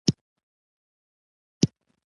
ایران او روسیه د افغانستان په سیاست کې مهم رول لري.